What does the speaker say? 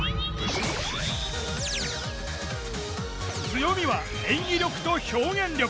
強みは演技力と表現力。